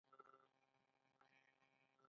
مصنوعي ځیرکتیا د وخت اغېزمن مدیریت ممکن کوي.